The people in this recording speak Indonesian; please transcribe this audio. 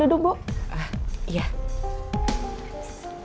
dengan ibu saya bu